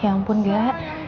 ya ampun gak